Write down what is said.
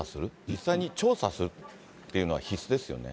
実際に調査するっていうのは必須ですよね。